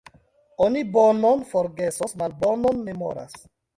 Oni bonon forgesos, malbonon memoras.